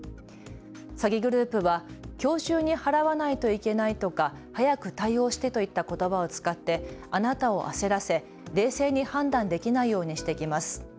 詐欺グループは、きょう中に払わないといけないとか早く対応してといったことばを使ってあなたを焦らせ冷静に判断できないようにしてきます。